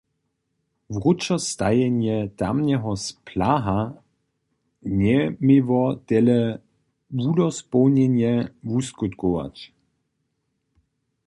Wróćostajenje tamneho splaha njeměło tele wudospołnjenje wuskutkować.